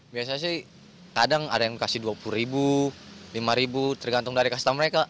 biasanya sih kadang ada yang kasih dua puluh ribu lima ribu tergantung dari custom mereka